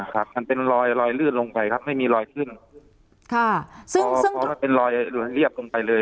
ครับมันเป็นรอยลอยลืดลงไปครับไม่มีรอยขึ้นค่ะพอพอมันเป็นรอยเรียบลงไปเลย